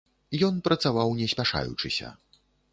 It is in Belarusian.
Ён працаваў не спяшаючыся.